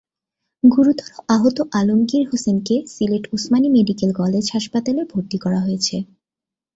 গুরুতর আহত আলমগীর হোসেনকে সিলেট ওসমানী মেডিকেল কলেজ হাসপাতালে ভর্তি করা হয়েছে।